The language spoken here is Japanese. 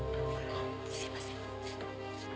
すいません。